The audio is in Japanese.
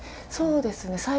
そうですね。